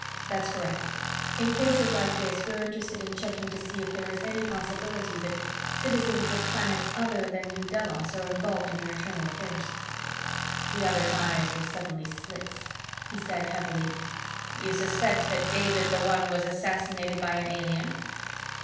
"That's correct. In cases like this we're interested in checking to see if there is any possibility that citizens of planets other than New Delos are involved in your internal affairs." The other's eyes were suddenly slits. He said, heavily, "You suspect that David the One was assassinated by an alien?"